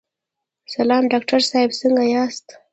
سلام ډاکټر صاحب، څنګه یاست؟